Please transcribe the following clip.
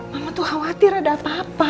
mama tuh khawatir ada apa apa